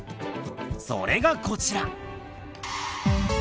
それがこちら。